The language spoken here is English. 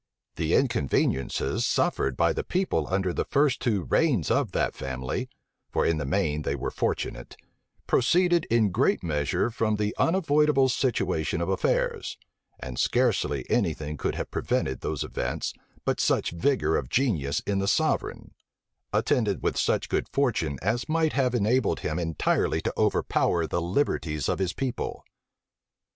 The inconveniencies suffered by the people under the two first reigns of that family, (for in the main they were fortunate,) proceeded in a great measure from the unavoidable situation of affairs; and scarcely any thing could have prevented those events, but such vigor of genius in the sovereign, attended with such good fortune, as might have enabled him entirely to overpower the liberties of his people.